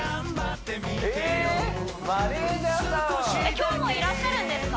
今日もいらっしゃるんですか？